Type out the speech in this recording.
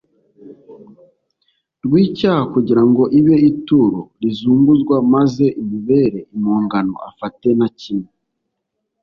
Rw icyaha kugira ngo ibe ituro rizunguzwa maze imubere impongano afate na kimwe